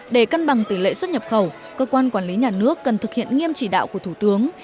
để cân bằng tỷ lệ xuất nhập khẩu cơ quan quản lý nhà nước cần thực hiện nghiêm chỉ đạo của thủ tướng